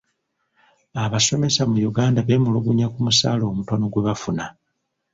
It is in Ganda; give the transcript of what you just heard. Abasomesa mu Uganda beemulugunya ku musaala omutono gwe bafuna.